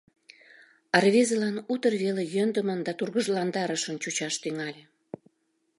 А рвезылан утыр веле йӧндымын да тургыжландарышын чучаш тӱҥале.